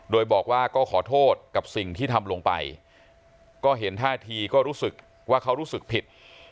โดยบอกว่าก็ขอโทษกับสิ่งที่ทำลงไปก็เห็นท่าทีก็รู้สึกว่าเขารู้สึกผิด